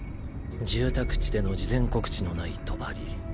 住宅地での事前告知のない帳。